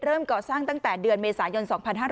ก่อสร้างตั้งแต่เดือนเมษายน๒๕๕๙